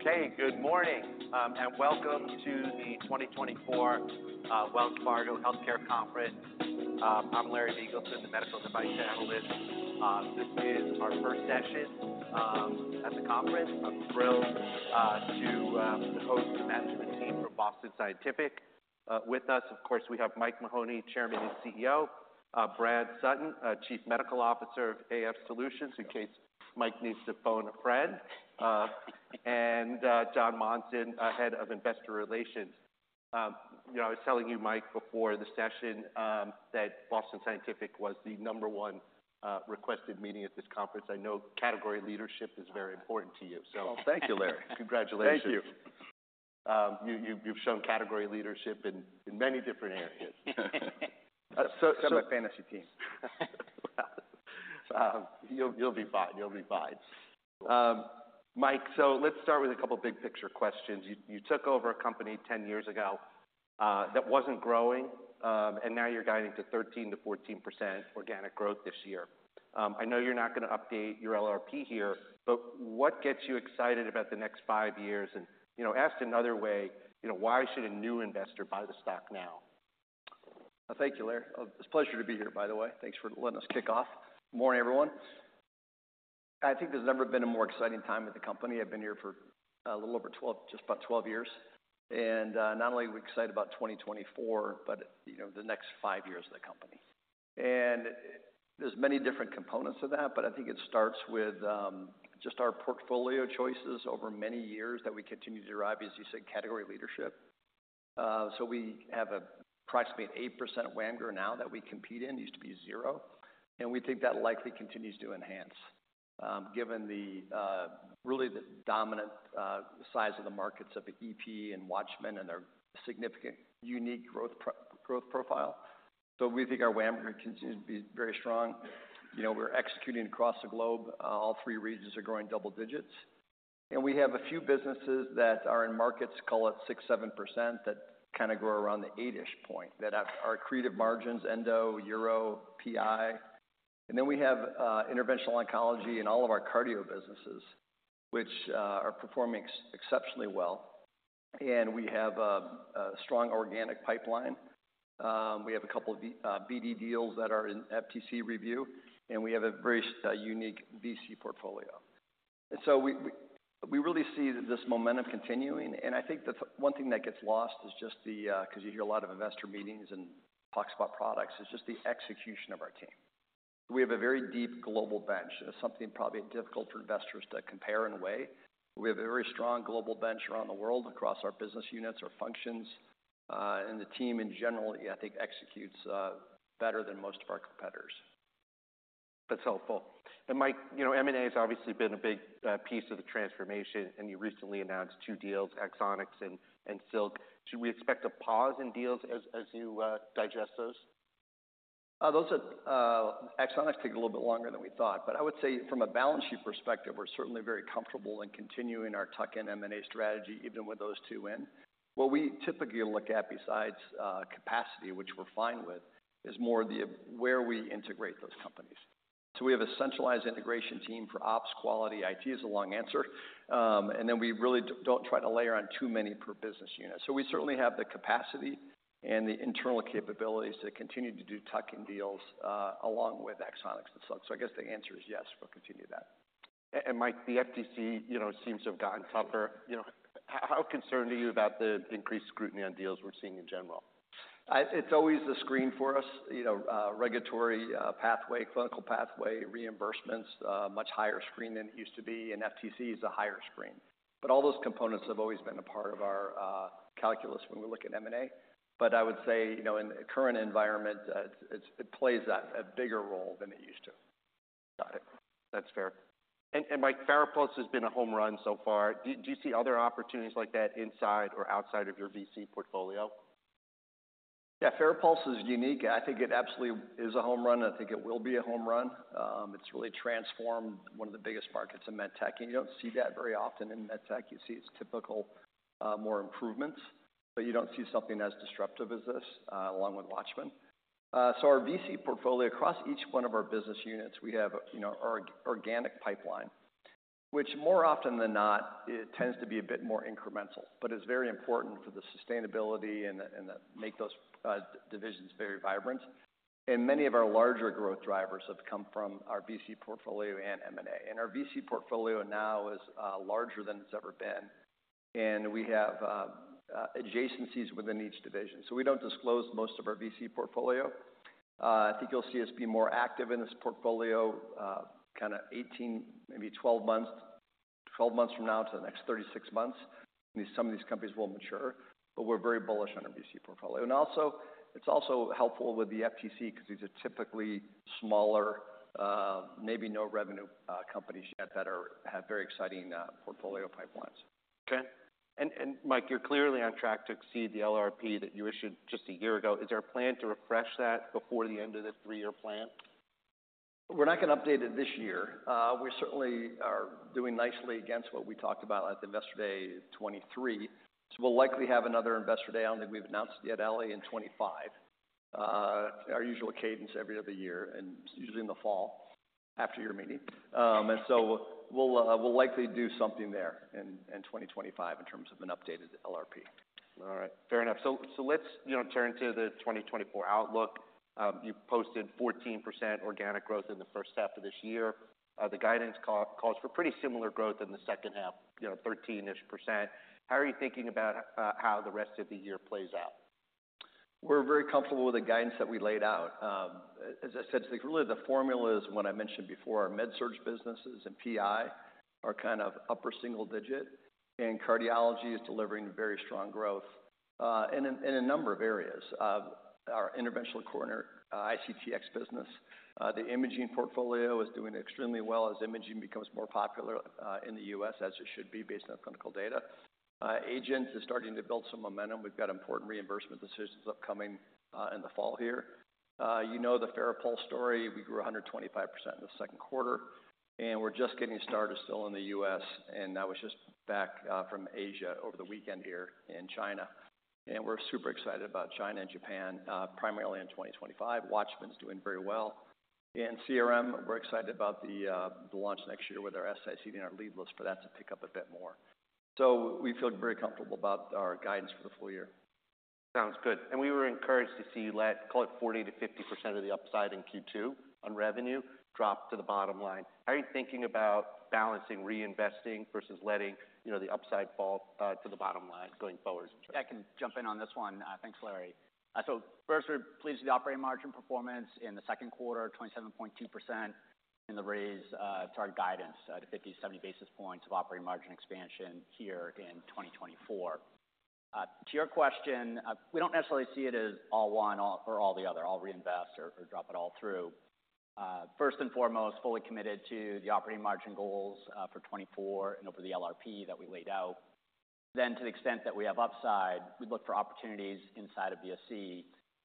Okay, good morning, and welcome to the 2024 Wells Fargo Healthcare Conference. I'm Larry Biegelsen, the medical device analyst. This is our first session at the conference. I'm thrilled to host the management team from Boston Scientific. With us, of course, we have Mike Mahoney, Chairman and CEO, Brad Sutton, Chief Medical Officer of AF Solutions, in case Mike needs to phone a friend, and Jon Monson, Head of Investor Relations. You know, I was telling you, Mike, before the session, that Boston Scientific was the number one requested meeting at this conference. I know category leadership is very important to you, so. Well, thank you, Larry. Congratulations. Thank you. You've shown category leadership in many different areas. So, my fantasy team. You'll be fine. Mike, so let's start with a couple of big-picture questions. You took over a company ten years ago that wasn't growing, and now you're guiding to 13%-14% organic growth this year. I know you're not going to update your LRP here, but what gets you excited about the next five years? And, you know, asked another way, you know, why should a new investor buy the stock now? Thank you, Larry. It's a pleasure to be here, by the way. Thanks for letting us kick off. Good morning, everyone. I think there's never been a more exciting time with the company. I've been here for a little over 12, just about 12 years, and not only are we excited about 2024, but, you know, the next five years of the company, and there's many different components of that, but I think it starts with just our portfolio choices over many years that we continue to drive, as you said, category leadership. So we have approximately an 8% WAMGR now that we compete in, used to be zero, and we think that likely continues to enhance, given the really the dominant size of the markets of the EP and Watchman and their significant unique growth profile. So we think our WAMGR continues to be very strong. You know, we're executing across the globe. All three regions are growing double digits, and we have a few businesses that are in markets, call it 6%-7%, that kind of grow around the eight-ish point, that have are accretive margins, Endo, Uro, PI. And then we have, interventional oncology and all of our cardio businesses, which, are performing exceptionally well. And we have a, strong organic pipeline. We have a couple of, BD deals that are in FTC review, and we have a very unique VC portfolio. So we really see this momentum continuing, and I think the one thing that gets lost is just the, because you hear a lot of investor meetings and talks about products, is just the execution of our team. We have a very deep global bench, and it's something probably difficult for investors to compare and weigh. We have a very strong global bench around the world, across our business units, our functions, and the team in general, I think, executes better than most of our competitors. That's helpful. And Mike, you know, M&A has obviously been a big piece of the transformation, and you recently announced two deals, Axonics and Silk. Should we expect a pause in deals as you digest those? Those are, Axonics took a little bit longer than we thought. But I would say from a balance sheet perspective, we're certainly very comfortable in continuing our tuck-in M&A strategy, even with those two in. What we typically look at besides capacity, which we're fine with, is more the where we integrate those companies. So we have a centralized integration team for ops, quality, IT is a long answer, and then we really don't try to layer on too many per business unit. So we certainly have the capacity and the internal capabilities to continue to do tuck-in deals along with Axonics and Silk. So I guess the answer is yes, we'll continue that. And Mike, the FTC, you know, seems to have gotten tougher. You know, how concerned are you about the increased scrutiny on deals we're seeing in general? It's always the screen for us. You know, regulatory pathway, clinical pathway, reimbursements much higher screen than it used to be, and FTC is a higher screen. But all those components have always been a part of our calculus when we look at M&A. But I would say, you know, in the current environment, it plays a bigger role than it used to. Got it. That's fair. And Mike, FARAPULSE has been a home run so far. Do you see other opportunities like that inside or outside of your VC portfolio? Yeah, FARAPULSE is unique. I think it absolutely is a home run, and I think it will be a home run. It's really transformed one of the biggest markets in medtech, and you don't see that very often in medtech. You see, it's typical, more improvements, but you don't see something as disruptive as this, along with Watchman. So our VC portfolio, across each one of our business units, we have, you know, our organic pipeline, which more often than not, it tends to be a bit more incremental, but is very important for the sustainability and, and make those, divisions very vibrant. And many of our larger growth drivers have come from our VC portfolio and M&A. And our VC portfolio now is, larger than it's ever been, and we have, adjacencies within each division. We don't disclose most of our VC portfolio. I think you'll see us be more active in this portfolio, kind of 18, maybe 12 months, 12 months from now to the next 36 months. Some of these companies will mature, but we're very bullish on our VC portfolio. And also, it's also helpful with the FTC because these are typically smaller, maybe no revenue, companies yet that have very exciting, portfolio pipelines. Okay. And Mike, you're clearly on track to exceed the LRP that you issued just a year ago. Is there a plan to refresh that before the end of the three-year plan? We're not going to update it this year. We certainly are doing nicely against what we talked about at Investor Day 2023. So we'll likely have another Investor Day. I don't think we've announced yet, Larry, in 2025, our usual cadence every other year, and usually in the fall after your meeting. And so we'll likely do something there in 2025 in terms of an updated LRP. All right, fair enough. So, so let's, you know, turn to the 2024 outlook. You posted 14% organic growth in the first half of this year. The guidance call calls for pretty similar growth in the second half, you know, 13-ish%. How are you thinking about how the rest of the year plays out? We're very comfortable with the guidance that we laid out. As I said, really, the formula is one I mentioned before, our med surg businesses and PI are kind of upper single digit, and cardiology is delivering very strong growth in a number of areas. Our interventional coronary, ICTx business, the imaging portfolio is doing extremely well as imaging becomes more popular in the US, as it should be based on clinical data. AGENT is starting to build some momentum. We've got important reimbursement decisions upcoming in the fall here. You know the FARAPULSE story. We grew 125% in the second quarter, and we're just getting started still in the US, and I was just back from Asia over the weekend here in China. We're super excited about China and Japan, primarily in 2025. Watchman's doing very well. In CRM, we're excited about the launch next year with our SICD and our leadless for that to pick up a bit more. We feel very comfortable about our guidance for the full year. Sounds good. And we were encouraged to see you let, call it 40%-50% of the upside in Q2 on revenue, drop to the bottom line. How are you thinking about balancing reinvesting versus letting you know the upside fall to the bottom line going forward? I can jump in on this one. Thanks, Larry. So first, we're pleased with the operating margin performance in the second quarter, 27.2% in the raise to our guidance to 50-70 basis points of operating margin expansion here in 2024. To your question, we don't necessarily see it as all one or all the other, all reinvest or drop it all through. First and foremost, fully committed to the operating margin goals for 2024 and over the LRP that we laid out. Then to the extent that we have upside, we look for opportunities inside of BSC,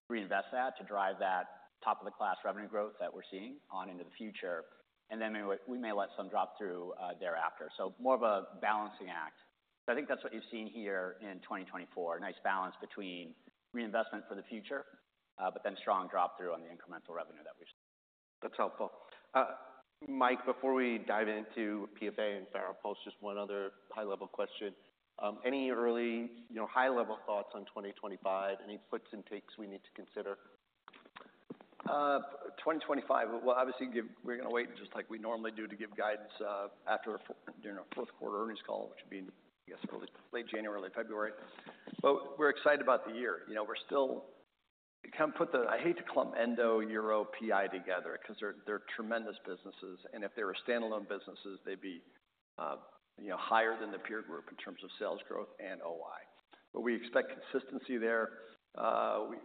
reinvest that to drive that top-of-the-class revenue growth that we're seeing on into the future, and then we may let some drop through thereafter. So more of a balancing act. I think that's what you've seen here in 2024. Nice balance between reinvestment for the future, but then strong drop through on the incremental revenue that we've... That's helpful. Mike, before we dive into PFA and FARAPULSE, just one other high-level question. Any early, you know, high-level thoughts on 2025? Any facts and takes we need to consider? 2025, well, obviously, we're going to wait, just like we normally do, to give guidance during our fourth quarter earnings call, which would be, I guess, late January, early February. But we're excited about the year. You know, we're still kind of put the, I hate to clump Endo, Euro, PI together because they're tremendous businesses, and if they were standalone businesses, they'd be, you know, higher than the peer group in terms of sales growth and OI. But we expect consistency there.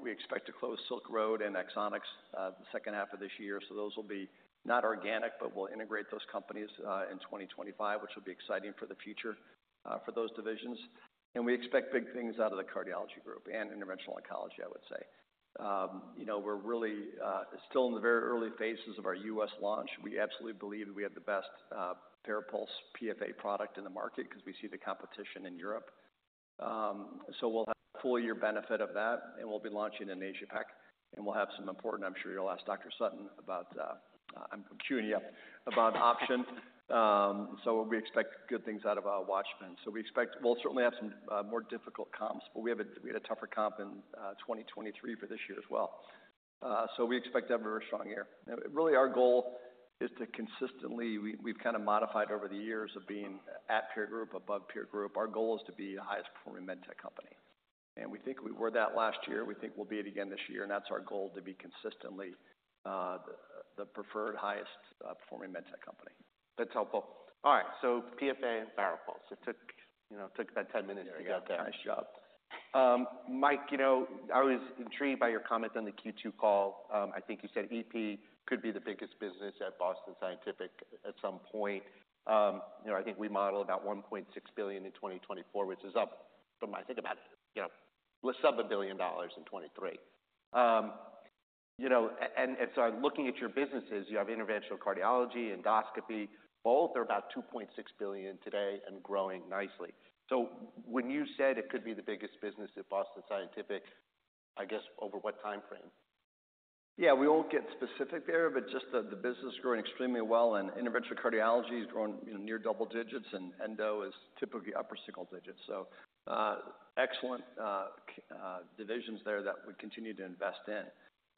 We expect to close Silk Road and Axonics the second half of this year, so those will be not organic, but we'll integrate those companies in 2025, which will be exciting for the future for those divisions. And we expect big things out of the cardiology group and interventional oncology, I would say. You know, we're really still in the very early phases of our US launch. We absolutely believe we have the best FARAPULSE PFA product in the market because we see the competition in Europe. So we'll have a full year benefit of that, and we'll be launching in AsiaPac, and we'll have some important. I'm sure you'll ask Dr. Sutton about OPTION. So we expect good things out of our WATCHMAN. So we expect we'll certainly have some more difficult comps, but we have a, we had a tougher comp in 2023 for this year as well. So we expect to have a very strong year. Really, our goal is to consistently we, we've kind of modified over the years of being at peer group, above peer group. Our goal is to be the highest performing med tech company, and we think we were that last year. We think we'll be it again this year, and that's our goal, to be consistently, the preferred, highest, performing med tech company. That's helpful. All right, so PFA and FARAPULSE. It took, you know, it took about 10 minutes to get there. Nice job. Mike, you know, I was intrigued by your comments on the Q2 call. I think you said EP could be the biggest business at Boston Scientific at some point. You know, I think we model about $1.6 billion in 2024, which is up from, I think about, you know, less than a billion dollars in 2023. You know, so looking at your businesses, you have interventional cardiology, endoscopy, both are about $2.6 billion today and growing nicely. So when you said it could be the biggest business at Boston Scientific, I guess, over what timeframe? Yeah, we won't get specific there, but just the business is growing extremely well, and interventional cardiology is growing, you know, near double digits, and Endo is typically upper single digits. So, excellent divisions there that we continue to invest in.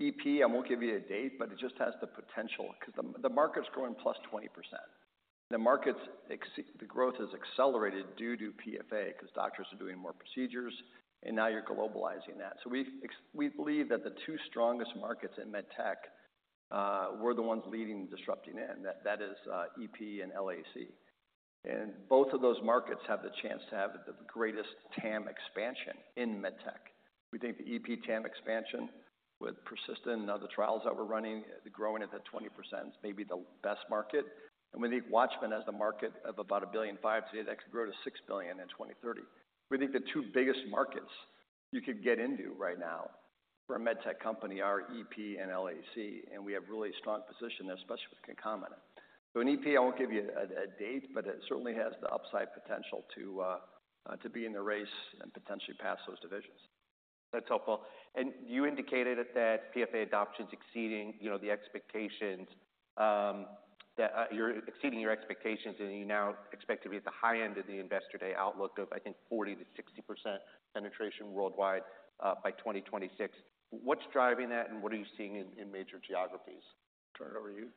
EP, I won't give you a date, but it just has the potential because the market's growing plus 20%. The market's growth has accelerated due to PFA because doctors are doing more procedures, and now you're globalizing that. So we believe that the two strongest markets in med tech, we're the ones leading the disrupting, and that is EP and LAC. And both of those markets have the chance to have the greatest TAM expansion in med tech. We think the EP TAM expansion with persistent and other trials that we're running, growing at the 20%, may be the best market. And we think WATCHMAN has the market of about $1.5 billion, today, that could grow to $6 billion in 2030. We think the two biggest markets you could get into right now for a med tech company are EP and LAC, and we have really strong position there, especially with concomitant. So in EP, I won't give you a date, but it certainly has the upside potential to be in the race and potentially pass those divisions.... That's helpful. And you indicated that PFA adoption is exceeding, you know, the expectations, that you're exceeding your expectations, and you now expect to be at the high end of the Investor Day outlook of, I think, 40%-60% penetration worldwide, by 2026. What's driving that, and what are you seeing in major geographies? Turn it over to you.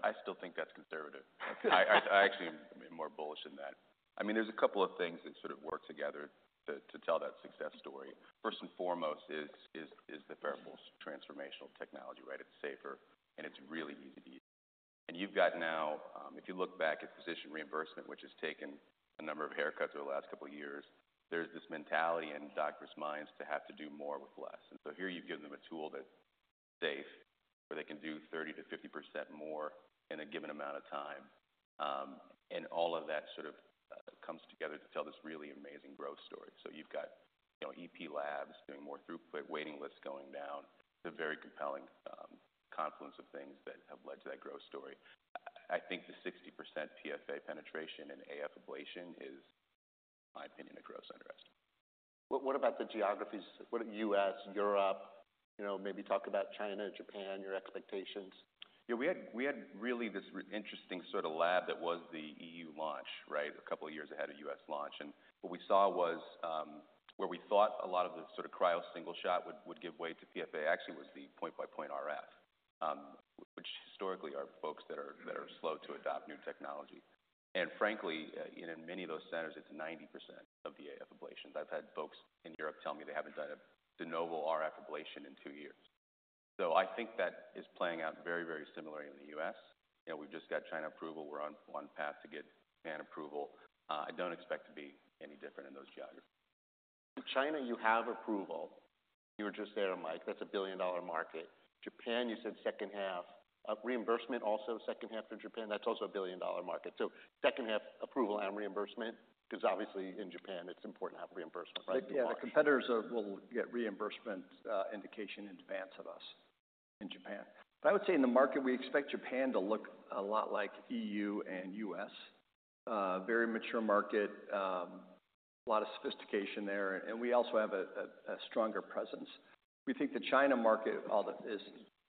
I still think that's conservative. I actually am more bullish than that. I mean, there's a couple of things that sort of work together to tell that success story. First and foremost is the FARAPULSE transformational technology, right? It's safer, and it's really easy to use. And you've got now, if you look back at physician reimbursement, which has taken a number of haircuts over the last couple of years, there's this mentality in doctors' minds to have to do more with less. And so here you've given them a tool that's safe, where they can do 30%-50% more in a given amount of time. And all of that sort of comes together to tell this really amazing growth story. So you've got, you know, EP labs doing more throughput, waiting lists going down. It's a very compelling confluence of things that have led to that growth story. I think the 60% PFA penetration in AF ablation is, in my opinion, a gross underestimate. What about the geographies? What are U.S., Europe, you know, maybe talk about China, Japan, your expectations. Yeah, we had really this interesting sort of lab that was the EU launch, right? A couple of years ahead of US launch. And what we saw was where we thought a lot of the sort of cryo single shot would give way to PFA, actually was the point-by-point RF, which historically are folks that are slow to adopt new technology. And frankly, in many of those centers, it's 90% of the AF ablations. I've had folks in Europe tell me they haven't done a de novo RF ablation in two years. So I think that is playing out very, very similarly in the US. You know, we've just got China approval, we're on track to get Japan approval. I don't expect to be any different in those geographies. China, you have approval. You were just there, Mike. That's a $1 billion market. Japan, you said second half. Reimbursement, also second half for Japan, that's also a $1 billion market. So second half approval and reimbursement, because obviously, in Japan, it's important to have reimbursement, right? Yeah, our competitors will get reimbursement indication in advance of us in Japan. But I would say in the market, we expect Japan to look a lot like EU and US. Very mature market, a lot of sophistication there, and we also have a stronger presence. We think the China market,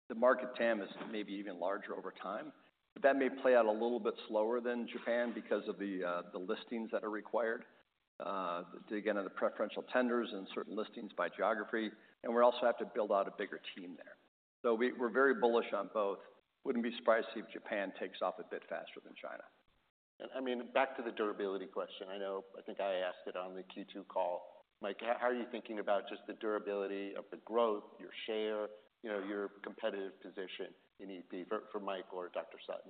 the market TAM is maybe even larger over time, but that may play out a little bit slower than Japan because of the listings that are required. Dig into the preferential tenders and certain listings by geography, and we also have to build out a bigger team there. So we're very bullish on both. Wouldn't be surprised to see if Japan takes off a bit faster than China. I mean, back to the durability question. I know, I think I asked it on the Q2 call. Mike, how are you thinking about just the durability of the growth, your share, you know, your competitive position in EP for Mike or Dr. Sutton?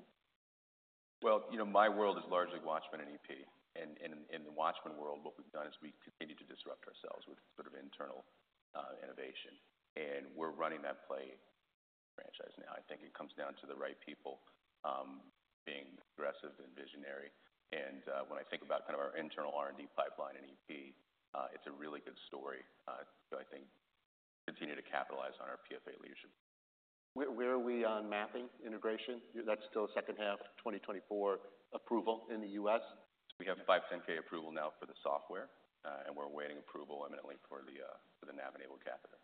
You know, my world is largely Watchman and EP. And in the Watchman world, what we've done is we continue to disrupt ourselves with sort of internal innovation, and we're running that play franchise now. I think it comes down to the right people being aggressive and visionary. And when I think about kind of our internal R&D pipeline in EP, it's a really good story, so I think continue to capitalize on our PFA leadership. Where are we on mapping integration? That's still second half of 2024 approval in the U.S. We have 510(k) approval now for the software, and we're awaiting approval imminently for the nav-enabled catheter.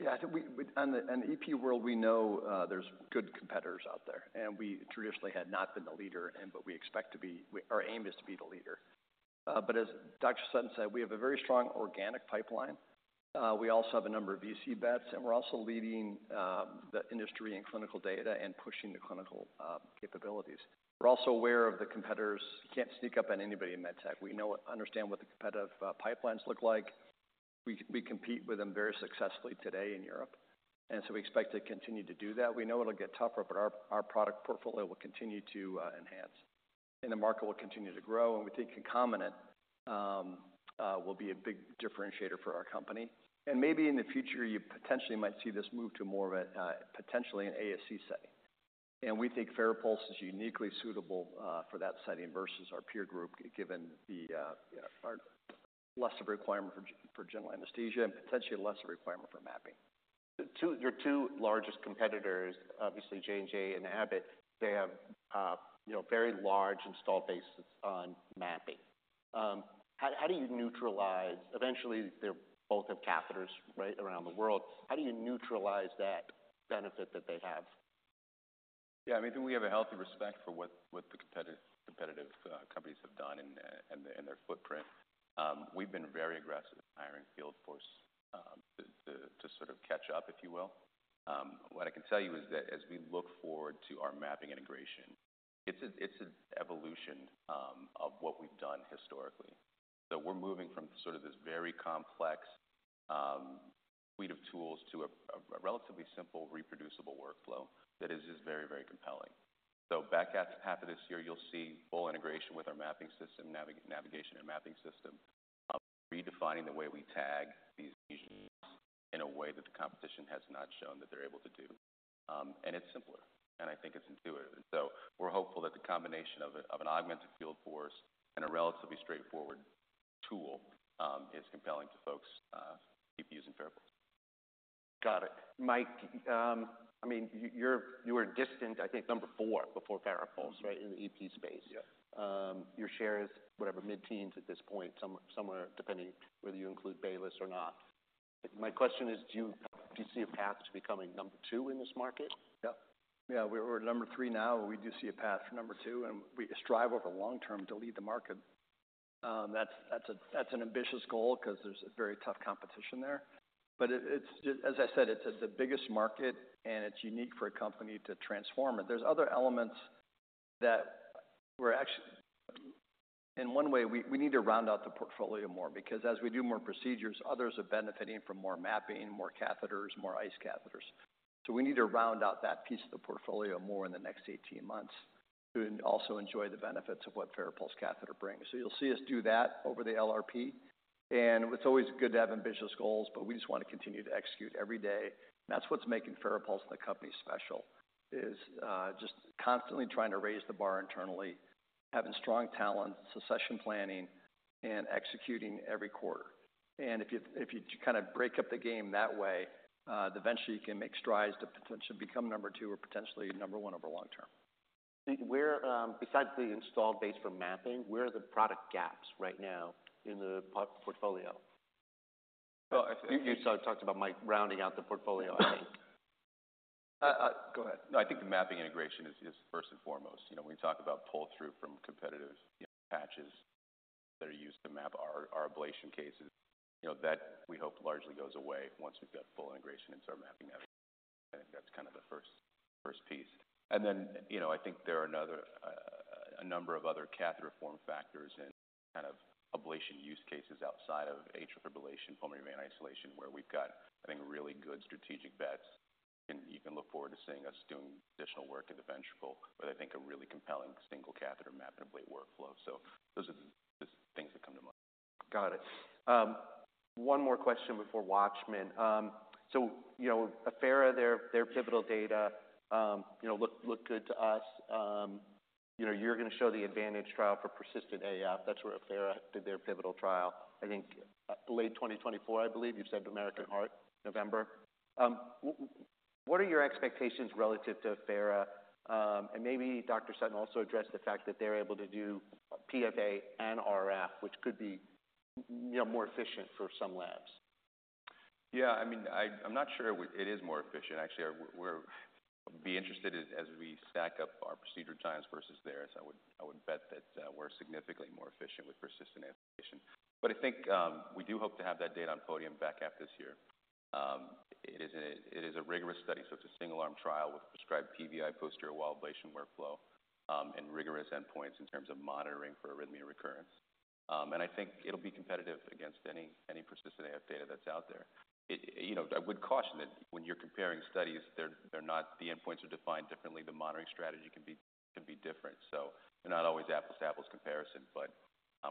Yeah, I think we. On the EP world, we know there's good competitors out there, and we traditionally had not been the leader, and but we expect to be, our aim is to be the leader. But as Dr. Sutton said, we have a very strong organic pipeline. We also have a number of VC bets, and we're also leading the industry in clinical data and pushing the clinical capabilities. We're also aware of the competitors, can't sneak up on anybody in MedTech. We know, understand what the competitive pipelines look like. We compete with them very successfully today in Europe, and so we expect to continue to do that. We know it'll get tougher, but our product portfolio will continue to enhance, and the market will continue to grow. And we think concomitant will be a big differentiator for our company. And maybe in the future, you potentially might see this move to more of a potentially an ASC setting. And we think FARAPULSE is uniquely suitable for that setting versus our peer group, given the you know, less of a requirement for general anesthesia and potentially less of a requirement for mapping. The two, your two largest competitors, obviously, J&J and Abbott, they have, you know, very large installed bases on mapping. How do you neutralize... Eventually, they both have catheters, right, around the world. How do you neutralize that benefit that they have? Yeah, I think we have a healthy respect for what the competitive companies have done and their footprint. We've been very aggressive in hiring field force to sort of catch up, if you will. What I can tell you is that as we look forward to our mapping integration, it's an evolution of what we've done historically. We're moving from sort of this very complex suite of tools to a relatively simple, reproducible workflow that is just very, very compelling. Back half of this year, you'll see full integration with our mapping system, navigation and mapping system, redefining the way we tag these in a way that the competition has not shown that they're able to do. And it's simpler, and I think it's intuitive. So we're hopeful that the combination of an augmented field force and a relatively straightforward tool is compelling to folks keep using FARAPULSE.... Got it. Mike, I mean, you were distant, I think number four before FARAPULSE, right, in the EP space? Yeah. Your share is whatever, mid-teens at this point, somewhere, depending whether you include Baylis or not. My question is, do you see a path to becoming number two in this market? Yeah. Yeah, we're number three now. We do see a path to number two, and we strive over long term to lead the market. That's an ambitious goal because there's a very tough competition there. But it's, as I said, it's the biggest market, and it's unique for a company to transform it. There's other elements that we're actually in one way. We need to round out the portfolio more because as we do more procedures, others are benefiting from more mapping, more catheters, more ICE catheters. So we need to round out that piece of the portfolio more in the next 18 months, and also enjoy the benefits of what FARAPULSE catheter brings. So you'll see us do that over the LRP, and it's always good to have ambitious goals, but we just want to continue to execute every day. That's what's making FARAPULSE and the company special, is just constantly trying to raise the bar internally, having strong talent, succession planning, and executing every quarter. And if you kind of break up the game that way, eventually you can make strides to potentially become number two or potentially number one over long term. Where, besides the install base for mapping, where are the product gaps right now in the portfolio? Well, I think. You sort of talked about Mike rounding out the portfolio, I think. Go ahead. No, I think the mapping integration is first and foremost. You know, when we talk about pull-through from competitors, you know, patches that are used to map our ablation cases, you know, that we hope largely goes away once we've got full integration and start mapping that. I think that's kind of the first piece. And then, you know, I think there are a number of other catheter form factors and kind of ablation use cases outside of atrial fibrillation, pulmonary vein isolation, where we've got, I think, really good strategic bets. And you can look forward to seeing us doing additional work in the ventricle, with I think a really compelling single catheter map and blade workflow. So those are the things that come to mind. Got it. One more question before Watchman. So, you know, Affera, their pivotal data, you know, looked good to us. You know, you're going to show the ADVANTAGE AF trial for persistent AF, that's where Affera did their pivotal trial. I think late 2024, I believe you've said American Heart Association, November. What are your expectations relative to Affera? And maybe Dr. Sutton also addressed the fact that they're able to do PFA and RF, which could be, you know, more efficient for some labs. Yeah, I mean, I'm not sure it is more efficient. Actually, we'd be interested as we stack up our procedure times versus theirs. I would bet that we're significantly more efficient with persistent AF ablation. But I think we do hope to have that data on podium back half this year. It is a rigorous study, so it's a single arm trial with prescribed PVI posterior wall ablation workflow, and rigorous endpoints in terms of monitoring for arrhythmia recurrence. And I think it'll be competitive against any persistent AF data that's out there. It. You know, I would caution that when you're comparing studies, they're not the endpoints are defined differently. The monitoring strategy can be different. So they're not always apples-to-apples comparison, but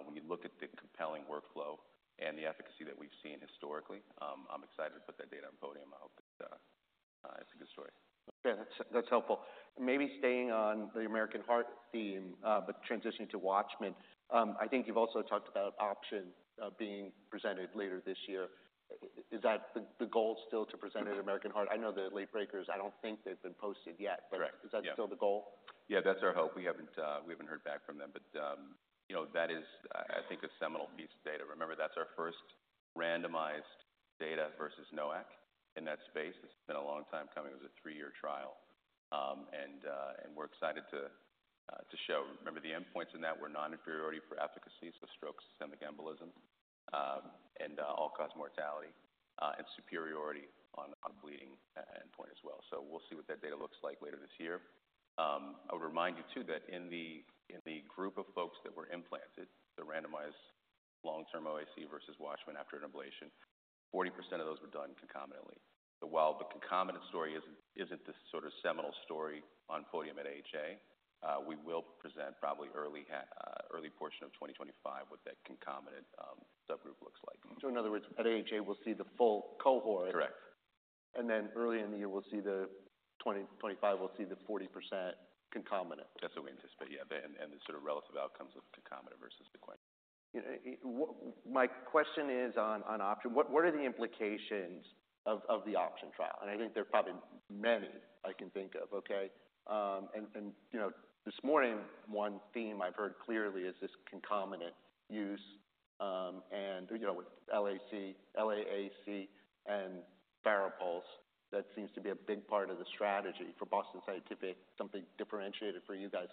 when you look at the compelling workflow and the efficacy that we've seen historically, I'm excited to put that data on podium. I hope that it's a good story. Yeah, that's, that's helpful. Maybe staying on the American Heart theme, but transitioning to Watchman. I think you've also talked about Option being presented later this year. Is that the goal is still to present it at American Heart? I know the late breakers. I don't think they've been posted yet- Correct. - but is that still the goal? Yeah, that's our hope. We haven't heard back from them, but, you know, that is, I think a seminal piece of data. Remember, that's our first randomized data versus NOAC in that space. It's been a long time coming. It was a three-year trial, and we're excited to show. Remember, the endpoints in that were non-inferiority for efficacy, so stroke, systemic embolism, and all-cause mortality, and superiority on bleeding endpoint as well. So we'll see what that data looks like later this year. I'll remind you too, that in the group of folks that were implanted, the randomized long-term OAC versus WATCHMAN after an ablation, 40% of those were done concomitantly. So while the concomitant story isn't the sort of seminal story on podium at AHA, we will present probably early portion of 2025, what that concomitant subgroup looks like. So in other words, at AHA, we'll see the full cohort. Correct. And then early in the year, we'll see the 2025, we'll see the 40% concomitant. That's what we anticipate, yeah, and, and the sort of relative outcomes of concomitant versus sequential. My question is on OPTION. What are the implications of the OPTION trial? And I think there are probably many I can think of, okay. And you know, this morning, one theme I've heard clearly is this concomitant use, and you know, with LAC, LAAC and FARAPULSE. That seems to be a big part of the strategy for Boston Scientific, something differentiated for you guys.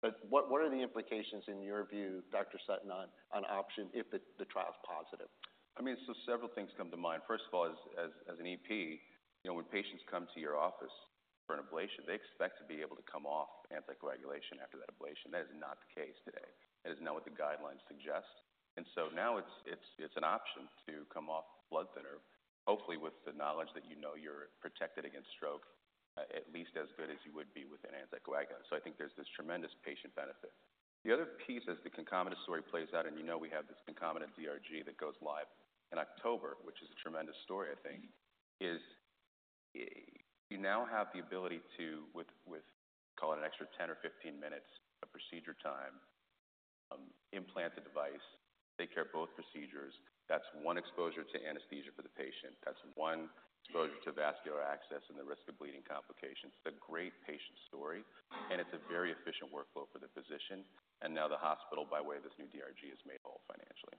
But what are the implications in your view, Dr. Sutton, on OPTION, if the trial is positive? I mean, so several things come to mind. First of all, as an EP, you know, when patients come to your office for an ablation, they expect to be able to come off anticoagulation after that ablation. That is not the case today. That is not what the guidelines suggest. And so now it's an option to come off blood thinner, hopefully with the knowledge that you know you're protected against stroke, at least as good as you would be with an anticoagulant. So I think there's this tremendous patient benefit. The other piece, as the concomitant story plays out, and you know we have this concomitant DRG that goes live in October, which is a tremendous story, I think, is you now have the ability to, with, call it an extra 10 or 15 minutes of procedure time-... Implant the device, take care of both procedures. That's one exposure to anesthesia for the patient. That's one exposure to vascular access and the risk of bleeding complications. It's a great patient story, and it's a very efficient workflow for the physician. And now the hospital, by way of this new DRG, is made whole financially.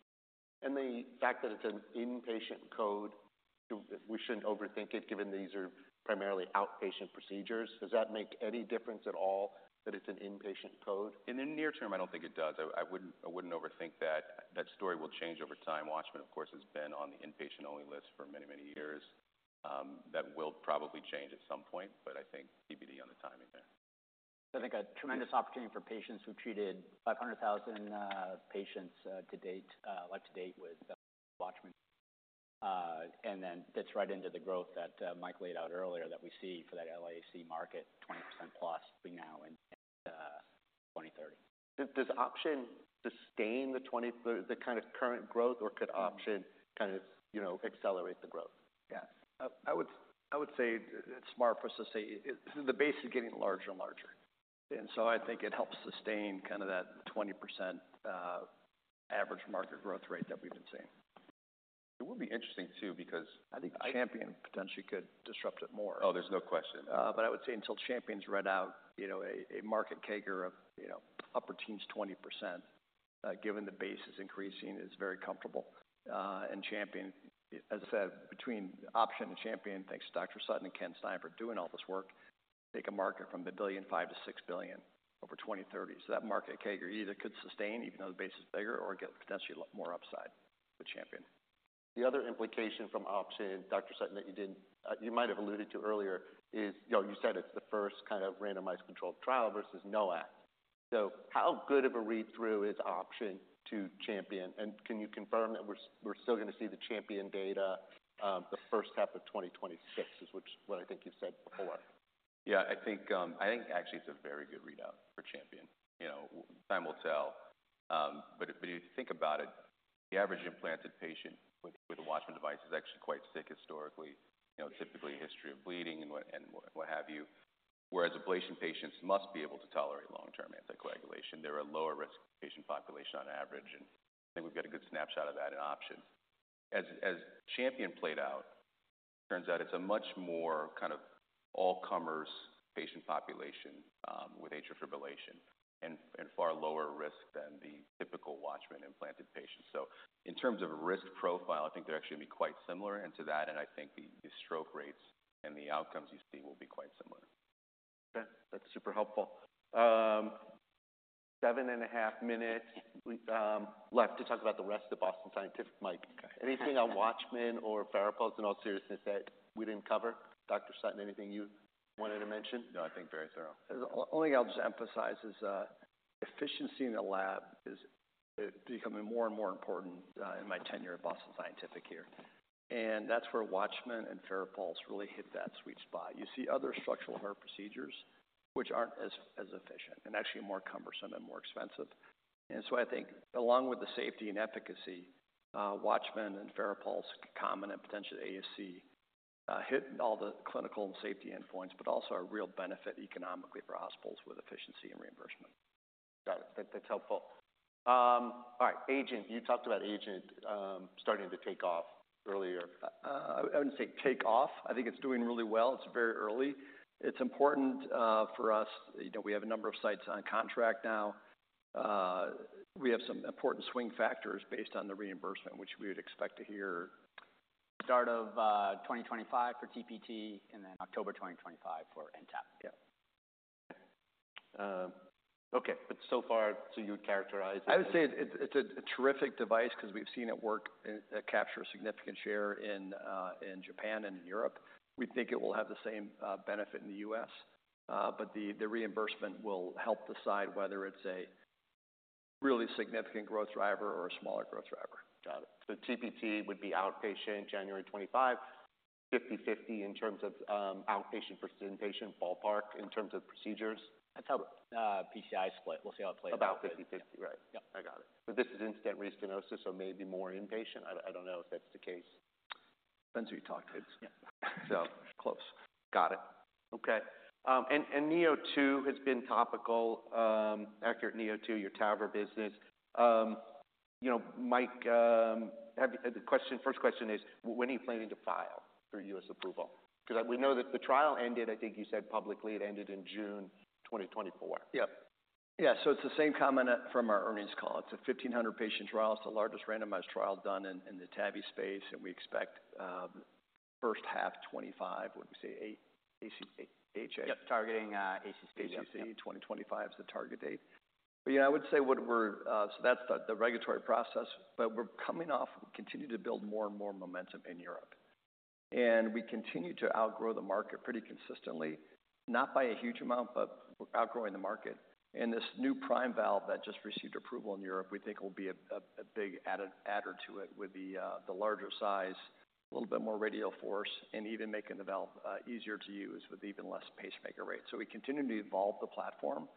The fact that it's an inpatient code, we shouldn't overthink it, given these are primarily outpatient procedures? Does that make any difference at all that it's an inpatient code? In the near term, I don't think it does. I wouldn't overthink that. That story will change over time. Watchman, of course, has been on the inpatient-only list for many, many years. That will probably change at some point, but I think TBD on the timing there. I think a tremendous opportunity for patients. We've treated 500,000 patients to date with Watchman. And then fits right into the growth that Mike laid out earlier that we see for that LAC market, 20% plus between now and 2030. Does OPTION sustain the kind of current growth, or could OPTION kind of, you know, accelerate the growth? Yeah. I would say it's smart for us to say the base is getting larger and larger. And so I think it helps sustain kind of that 20% average market growth rate that we've been seeing. It will be interesting too, because- I think CHAMPION potentially could disrupt it more. Oh, there's no question. But I would say until CHAMPION read out, you know, a market CAGR of, you know, upper teens, 20%, given the base is increasing, is very comfortable. And CHAMPION, as I said, between Option and CHAMPION, thanks to Dr. Sutton and Ken Stein for doing all this work, take a market from $1.5 billion to $6 billion over 2030. So that market, CAGR, either could sustain, even though the base is bigger, or get potentially a lot more upside with CHAMPION. The other implication from Option, Dr. Sutton, that you didn't you might have alluded to earlier is, you know, you said it's the first kind of randomized controlled trial versus NOAC. So how good of a read-through is Option to CHAMPION? And can you confirm that we're still going to see the CHAMPION data, the first half of 2026, is which what I think you've said before? Yeah, I think, I think actually it's a very good readout for CHAMPION. You know, time will tell. But if you think about it, the average implanted patient with a Watchman device is actually quite sick historically. You know, typically a history of bleeding and what have you. Whereas ablation patients must be able to tolerate long-term anticoagulation. They're a lower-risk patient population on average, and I think we've got a good snapshot of that in Option. As CHAMPION played out, turns out it's a much more kind of all-comers patient population with atrial fibrillation and far lower risk than the typical Watchman implanted patient. So in terms of a risk profile, I think they're actually going to be quite similar. And to that, I think the stroke rates and the outcomes you see will be quite similar. Okay. That's super helpful. Seven and a half minutes left to talk about the rest of Boston Scientific. Mike, anything on WATCHMAN or FARAPULSE, in all seriousness, that we didn't cover? Dr. Sutton, anything you wanted to mention? No, I think very thorough. The only thing I'll just emphasize is efficiency in the lab is becoming more and more important in my tenure at Boston Scientific here, and that's where WATCHMAN and FARAPULSE really hit that sweet spot. You see other structural heart procedures, which aren't as efficient and actually more cumbersome and more expensive, and so I think along with the safety and efficacy, WATCHMAN and FARAPULSE, concomitant and potentially ASC, hit all the clinical and safety endpoints, but also a real benefit economically for hospitals with efficiency and reimbursement. Got it. That, that's helpful. All right, AGENT, you talked about AGENT, starting to take off earlier. I wouldn't say take off. I think it's doing really well. It's very early. It's important for us, you know, we have a number of sites on contract now. We have some important swing factors based on the reimbursement, which we would expect to hear. Start of 2025 for TPT and then October 2025 for NTAP. Yeah. Okay, but so far, so you would characterize it as- I would say it's a terrific device because we've seen it work and capture a significant share in Japan and in Europe. We think it will have the same benefit in the U.S., but the reimbursement will help decide whether it's a really significant growth driver or a smaller growth driver. Got it. So TPT would be outpatient January 2025, 50/50 in terms of, outpatient versus inpatient, ballpark, in terms of procedures? That's how PCI split. We'll see how it plays out. About 50\50,right? Yep. I got it. But this is in-stent restenosis, so maybe more inpatient. I don't know if that's the case. Depends who you talk to. Yeah. So close. Got it. Okay, and ACURATE neo2 has been topical, ACURATE neo2, your TAVR business. You know, Mike, the first question is: When are you planning to file for U.S. approval? Because we know that the trial ended. I think you said publicly it ended in June 2024. Yep. Yeah, so it's the same comment from our earnings call. It's a 1,500 patient trial. It's the largest randomized trial done in the TAVI space, and we expect first half 2025. What'd we say, ACC, AHA? Yep, targeting ACC. ACC, 2025 is the target date. But you know, I would say what we're. So that's the regulatory process, but we continue to build more and more momentum in Europe. And we continue to outgrow the market pretty consistently, not by a huge amount, but we're outgrowing the market. And this new ACURATE Prime that just received approval in Europe, we think will be a big added adder to it with the larger size, a little bit more radial force, and even making the valve easier to use with even less pacemaker rate. So we continue to evolve the platform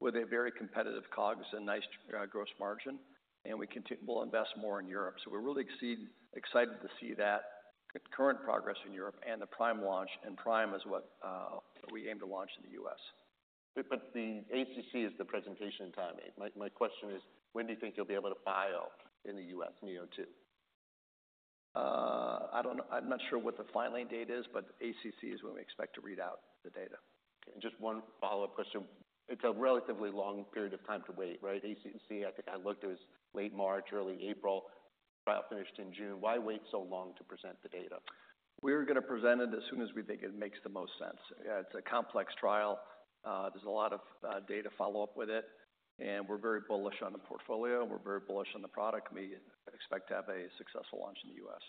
with a very competitive COGS and nice gross margin, and we'll invest more in Europe. So we're really excited to see that. current progress in Europe and the Prime launch, and Prime is what we aim to launch in the US. But the ACC is the presentation timing. My question is, when do you think you'll be able to file in the U.S., ACURATE neo2? I don't know. I'm not sure what the filing date is, but ACC is when we expect to read out the data. Okay, and just one follow-up question. It's a relatively long period of time to wait, right? ACC, I think I looked, it was late March, early April, trial finished in June. Why wait so long to present the data? We're going to present it as soon as we think it makes the most sense. It's a complex trial, there's a lot of, data follow-up with it, and we're very bullish on the portfolio. We're very bullish on the product. We expect to have a successful launch in the U.S.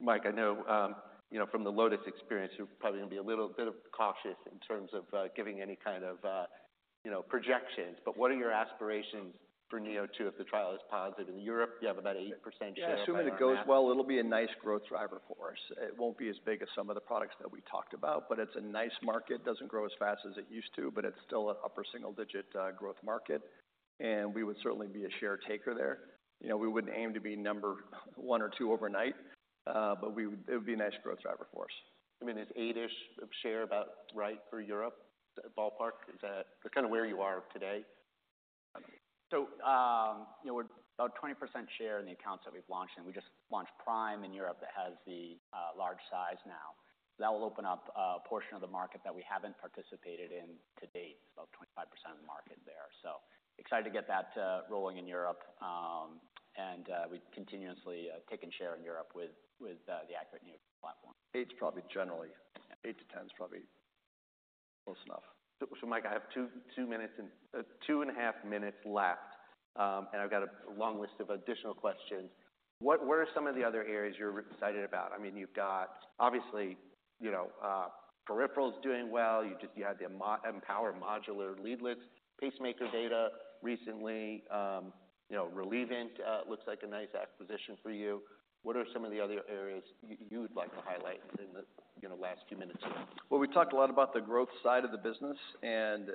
Mike, I know, you know, from the LOTUS experience, you're probably going to be a little bit cautious in terms of giving any kind of you know projections, but what are your aspirations for neo2 if the trial is positive in Europe? You have about 8% share- Yeah, assuming it goes well, it'll be a nice growth driver for us. It won't be as big as some of the products that we talked about, but it's a nice market. Doesn't grow as fast as it used to, but it's still an upper single digit growth market, and we would certainly be a share taker there. You know, we wouldn't aim to be number one or two overnight, but it would be a nice growth driver for us. I mean, is eight-ish of share about right for Europe, ballpark? Is that kind of where you are today? So, you know, we're about 20% share in the accounts that we've launched, and we just launched Prime in Europe. That has the large size now. That will open up a portion of the market that we haven't participated in to date, about 25% of the market there. So excited to get that rolling in Europe, and we've continuously taken share in Europe with the ACURATE neo platform. Eight, probably generally, eight-10 is probably close enough. Mike, I have two minutes and two and a half minutes left, and I've got a long list of additional questions. What, where are some of the other areas you're excited about? I mean, you've got obviously, you know, peripherals doing well. You just had the EMPOWER modular leadless pacemaker data recently, you know, Relievant looks like a nice acquisition for you. What are some of the other areas you would like to highlight in the, you know, last few minutes? We talked a lot about the growth side of the business, and,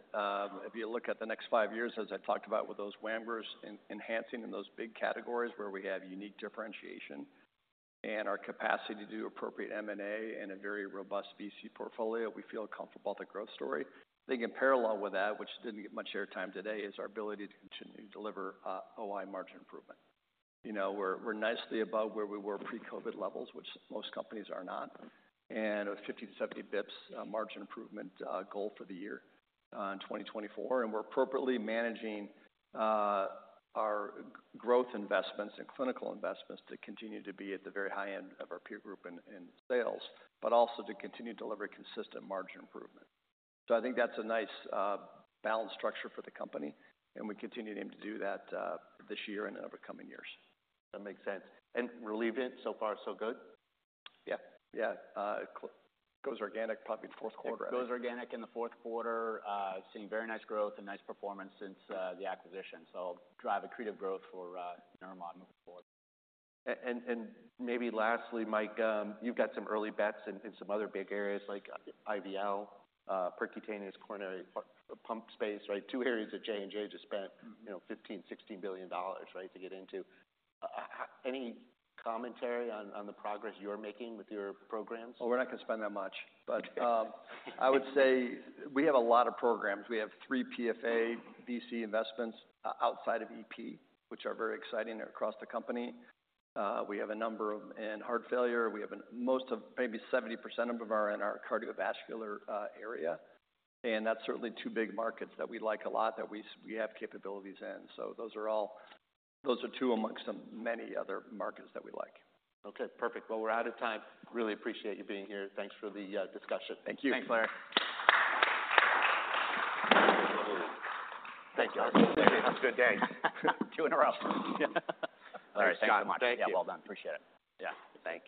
if you look at the next five years, as I talked about with those WAMGRs, enhancing in those big categories where we have unique differentiation and our capacity to do appropriate M&A and a very robust VC portfolio, we feel comfortable with the growth story. I think in parallel with that, which didn't get much airtime today, is our ability to continue to deliver, OI margin improvement. You know, we're nicely above where we were pre-COVID levels, which most companies are not, and a 50-70 basis points margin improvement goal for the year, in 2024. And we're appropriately managing our growth investments and clinical investments to continue to be at the very high end of our peer group in sales, but also to continue to deliver consistent margin improvement. So I think that's a nice balanced structure for the company, and we continue to aim to do that this year and over coming years. That makes sense. And Relievant, so far, so good? Yeah. Yeah, goes organic, probably fourth quarter. It goes organic in the fourth quarter, seeing very nice growth and nice performance since the acquisition. So drive accretive growth for Neuromod moving forward. Maybe lastly, Mike, you've got some early bets in some other big areas like IVL, percutaneous coronary pump space, right? Two areas that J&J just spent, you know, $15-$16 billion, right, to get into. Any commentary on the progress you're making with your programs? We're not going to spend that much, but I would say we have a lot of programs. We have three PFA BC investments outside of EP, which are very exciting. They're across the company. In heart failure, we have and most of maybe 70% of them are in our cardiovascular area, and that's certainly two big markets that we like a lot, that we have capabilities in. So those are all, those are two amongst the many other markets that we like. Okay, perfect. We're out of time. Really appreciate you being here. Thanks for the discussion. Thank you. Thanks, Larry. Thank you. Have a good day. Two in a row. All right. Thanks so much. Thank you. Yeah, well done. Appreciate it. Yeah. Thanks.